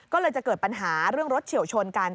ก็เลยจะเกิดปัญหาเรื่องรถเฉียวชนกัน